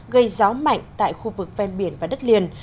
gây gió mạnh tại khu vực ven biển và đất liền